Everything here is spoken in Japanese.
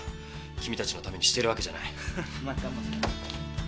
君たちのためにしてるわけじゃない。